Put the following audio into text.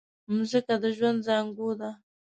مځکه د ژوند زانګو ده.